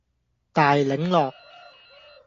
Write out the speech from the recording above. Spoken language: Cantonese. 大檸樂